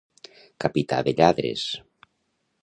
Capità de lladres.